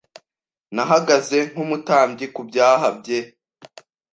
Nahagaze nk'umutambyi ku byaha bye